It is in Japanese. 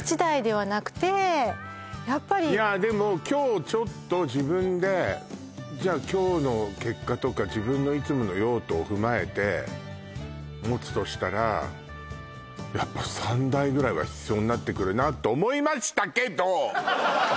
やっぱりいやでも今日ちょっと自分でじゃ今日の結果とか自分のいつもの用途を踏まえて持つとしたらやっぱ３台ぐらいは必要になってくるなと思いましたけど！